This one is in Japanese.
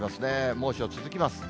猛暑続きます。